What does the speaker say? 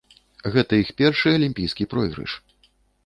Гэта іх першы алімпійскі пройгрыш.